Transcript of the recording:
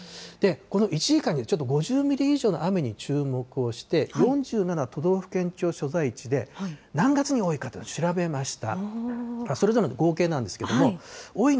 この１時間に５０ミリ以上の雨に注目をして、４７都道府県庁所在地で、何月に多いかというのを調べました。